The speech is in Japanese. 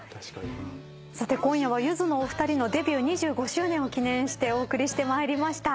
さて今夜はゆずのお二人のデビュー２５周年を記念してお送りしてまいりました。